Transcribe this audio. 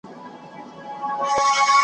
ربه ستا پر ستړې مځکه له ژوندونه یم ستومانه .